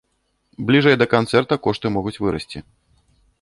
Бліжэй да канцэрта кошты могуць вырасці.